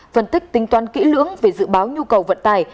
phân tích tính toán kỹ lưỡng về dự báo nhu cầu vận tải